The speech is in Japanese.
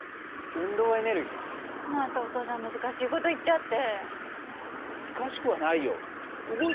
またお父さん難しい事言っちゃって。